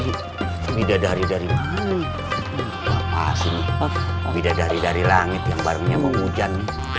ini bidadari dari mana ini bidadari dari langit yang barengnya mau hujan